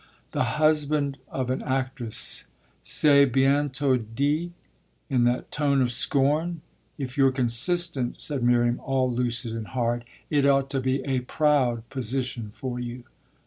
"The husband of an actress, c'est bientôt dit, in that tone of scorn! If you're consistent," said Miriam, all lucid and hard, "it ought to be a proud position for you."